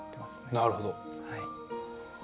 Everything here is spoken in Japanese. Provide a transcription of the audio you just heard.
なるほど。